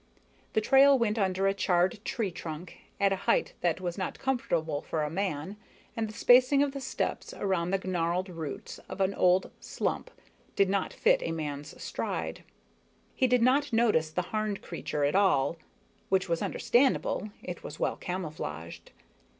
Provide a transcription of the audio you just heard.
The trail went under a charred tree trunk at a height that was not comfortable for a man, and the spacing of the steps around the gnarled roots of an old slump did not fit a man's stride. He did not notice the Harn creature at all which was understandable, it was well camouflaged.